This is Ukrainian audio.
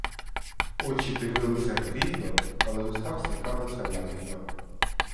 Очі дивилися грізно, але уста всміхалися лагідно.